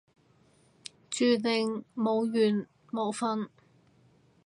注定有緣冇瞓